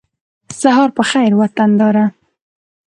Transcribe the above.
سهار په خېر وطنداره